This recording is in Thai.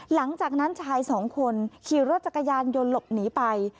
หลังจากนั้นชายสองคนขี่รถจักรยานยนต์หลบหนีไป